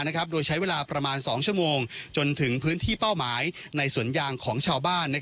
โดยใช้เวลาประมาณ๒ชั่วโมงจนถึงพื้นที่เป้าหมายในสวนยางของชาวบ้าน